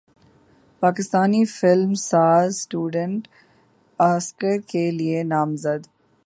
پاکستانی فلم ساز student Oscar کے لیے نامزد